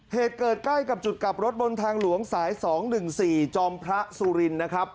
เหตุเกิดใกล้กับจุดกลับรถบนทางหลวงสายสองหนึ่งสี่จอมพระสุรินทร์นะครับ